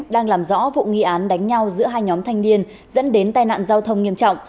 đang làm rõ vụ nghi án đánh nhau giữa hai nhóm thanh niên dẫn đến tai nạn giao thông nghiêm trọng